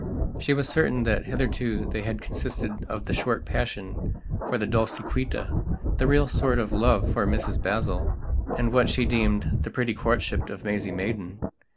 She was certain that hitherto they had consisted of the short passion for the Dolciquita, the real sort of love for Mrs Basil, and what she deemed the pretty courtship of Maisie Maidan.